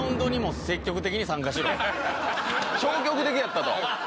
消極的やったと。